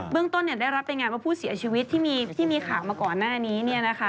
เรื่องต้นได้รับรายงานว่าผู้เสียชีวิตที่มีข่าวมาก่อนหน้านี้